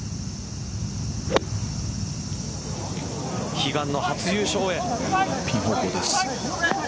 悲願の初優勝へピン方向です。